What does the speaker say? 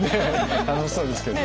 楽しそうですけれども。